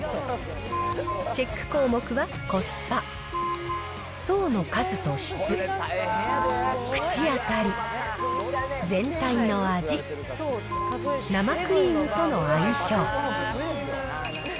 チェック項目はコスパ、層の数と質、口当たり、全体の味、生クリームとの相性。